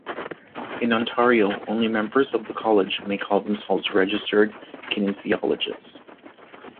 In Ontario only members of the college may call themselves a Registered Kinesiologist.